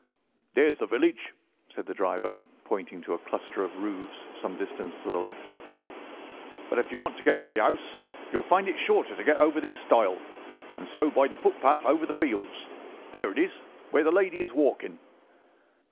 "There's the village," said the driver, pointing to a cluster of roofs some distance to the left; "but if you want to get to the house, you'll find it shorter to get over this stile, and so by the footpath over the fields. There it is, where the lady is walking."